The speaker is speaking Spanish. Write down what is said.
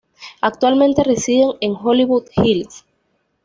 Actualmente residen en Hollywood Hills.